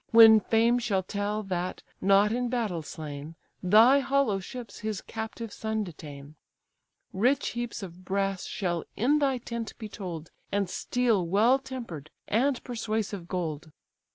When fame shall tell, that, not in battle slain, Thy hollow ships his captive son detain: Rich heaps of brass shall in thy tent be told, And steel well temper'd, and persuasive gold."